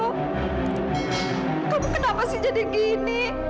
kamu kenapa sih jadi gini